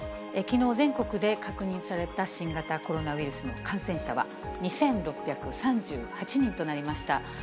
きのう、全国で確認された新型コロナウイルスの感染者は２６３８人となりました。